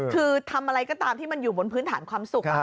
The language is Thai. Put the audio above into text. คือทำอะไรก็ตามที่มันอยู่บนพื้นฐานความสุข